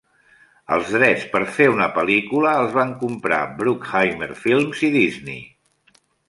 Els drets per fer una pel·lícula els van comprar Bruckheimer Films i Disney.